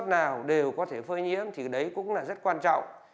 nào đều có thể phơi nhiễm thì đấy cũng là rất quan trọng